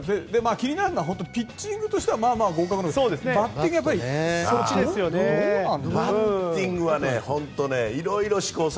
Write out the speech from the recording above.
気になるのはピッチングとしてはまあまあ合格だけどバッティングはどうなの？